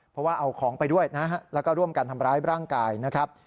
เพราะว่าเอาของไปด้วยนะฮะแล้วก็ร่วมกันทำร้ายร่างกายนะครับ